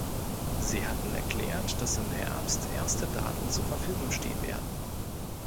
Sie hatten erklärt, dass im Herbst erste Daten zur Verfügung stehen werden.